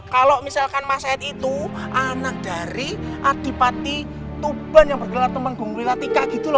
kalau misalkan mas said itu anak dari adipati tuban yang bergelar teman gung wilatika gitu